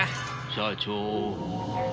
社長。